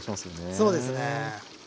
そうですね。